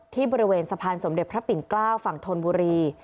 ที่บริเวณสะพานสมเด็จพระปิ่นเกล้าฝั่งธนบุรี